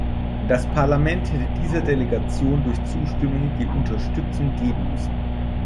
Das Parlament hätte dieser Delegation durch Zustimmung die Unterstützung geben müssen.